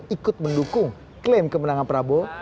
ikut mendukung klaim kemenangan prabowo